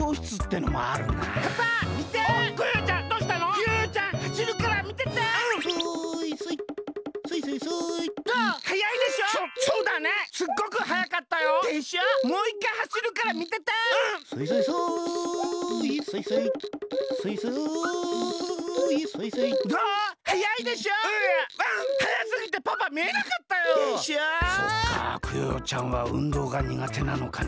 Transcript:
そっかクヨヨちゃんはうんどうがにがてなのかな。